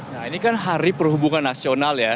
nah ini kan hari perhubungan nasional ya